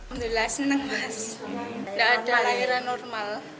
ada lahiran normal